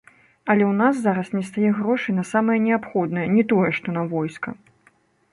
Але ў нас зараз нестае грошай на самае неабходнае, не тое, што на войска.